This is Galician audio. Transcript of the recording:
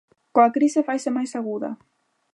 Coa crise faise máis aguda.